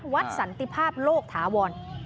วัดสันติภาพโลกฐาวร